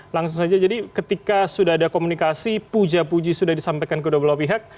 langsung saja jadi ketika sudah ada komunikasi puja puji sudah disampaikan kedua belah pihak